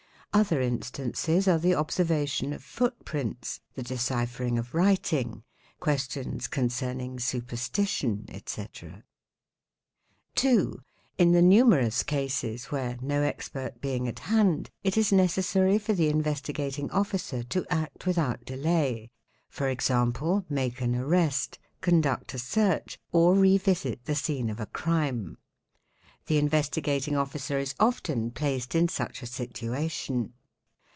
Other instances are the observa tion of footprints, the deciphering of writing, questions concerning super stition, etc. . 2. In the numerous cases where, no expert being at hand, it is necessary for the Investigating Officer to act without delay, for ex ample, make an arrest, conduct a search, or revisit the scene of a crime. The Investigating Officer is often placed in such a situation.